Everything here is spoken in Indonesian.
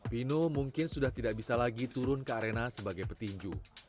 pino mungkin sudah tidak bisa lagi turun ke arena sebagai petinju